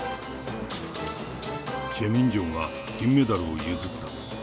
チェ・ミンジョンは金メダルを譲った。